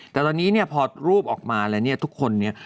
แต่ตอนนี้เนี่ยพอรูปออกมาแล้วเนี่ยทุกคนเนี่ย